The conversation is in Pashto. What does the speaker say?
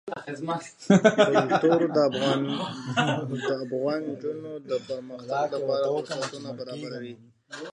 کلتور د افغان نجونو د پرمختګ لپاره فرصتونه برابروي.